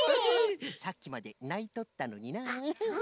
さっきまでないとったのにのう。